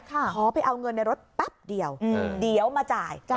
ขอไปเอาเงินในรถแป๊บเดียวเดี๋ยวมาจ่าย